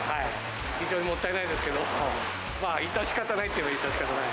非常にもったいないですけど、致し方ないといえば致し方ない。